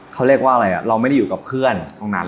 เขาเรียกว่าอะไรเราไม่ได้อยู่กับเพื่อนตรงนั้น